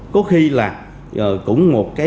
có khi là cũng một cái